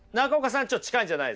ちょっと近いんじゃないですか？